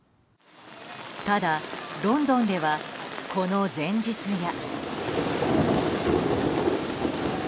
ただ、ロンドンではこの前日や。